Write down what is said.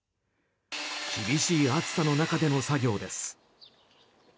厳しい暑さの中での作業です。